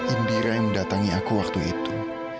indira yang mendatangi aku waktu itu